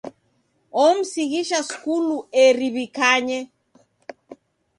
Omsighisha skulu eri w'ikanye.